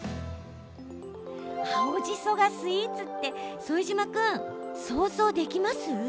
青じそがスイーツって副島君、想像できます？